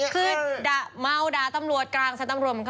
คือด่าเมาด่าตำรวจกลางใส่ตำรวจเหมือนกัน